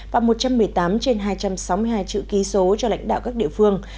và một trăm một mươi tám trên hai trăm sáu mươi hai chữ ký số cho lãnh đạo các địa phương